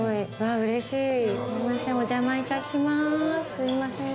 すいません。